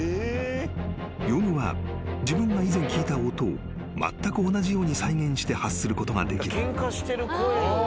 ［ヨウムは自分が以前聞いた音をまったく同じように再現して発することができる］